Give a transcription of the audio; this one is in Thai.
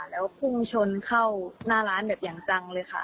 แล้วพุ่งชนเข้าหน้าร้านแบบอย่างจังเลยค่ะ